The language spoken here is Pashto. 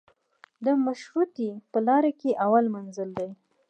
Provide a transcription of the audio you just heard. د مشروطې په لار کې اول منزل دی.